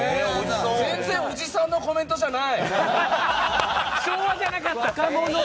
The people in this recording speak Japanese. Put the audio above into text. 全然おじさんのコメントじゃない！